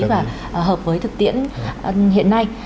và hợp với thực tiễn hiện nay